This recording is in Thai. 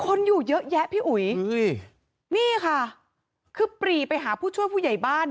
คนอยู่เยอะแยะพี่อุ๋ยนี่ค่ะคือปรีไปหาผู้ช่วยผู้ใหญ่บ้าน